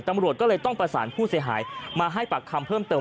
ตำรวจก็เลยต้องประสานผู้เสียหายมาให้ปากคำเพิ่มเติม